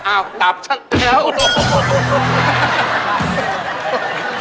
อ้าวตับฉันแล้ว